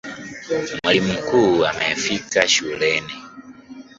Mwalimu mkuu amefika shuleni.